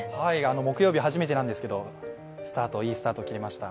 木曜日初めてなんですけど、いいスタートを切りました。